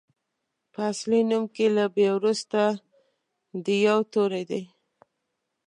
په اصلي نوم کې له بي وروسته د يوو توری دی.